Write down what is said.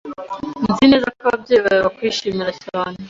Nzi neza ko ababyeyi bawe bakwishimiye cyane.